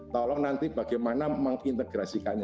tolong nanti bagaimana mengintegrasikannya